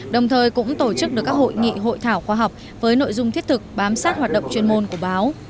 đồng thời cũng tổ chức được các hội nghị hội thảo khoa học với nội dung thiết thực bám sát hoạt động chuyên môn của báo